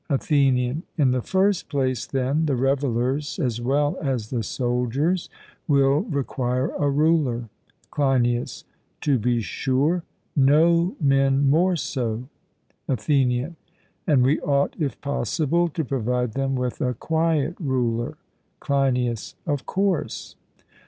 ATHENIAN: In the first place, then, the revellers as well as the soldiers will require a ruler? CLEINIAS: To be sure; no men more so. ATHENIAN: And we ought, if possible, to provide them with a quiet ruler? CLEINIAS: Of course.